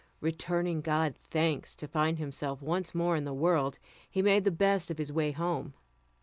Returning God thanks to find himself once more in the world, he made the best of his way home.